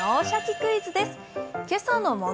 クイズ」です。